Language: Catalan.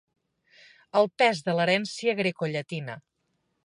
El pes de l'herència grecollatina.